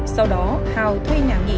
sau đó hào thuê nhà nghỉ